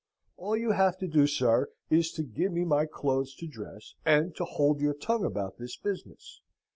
"All you have to do, sir, is to give me my clothes to dress, and to hold your tongue about this business.